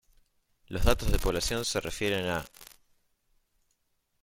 Los datos de población se refieren a